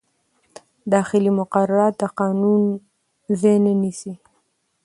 داخلي مقررات د قانون ځای نه نیسي.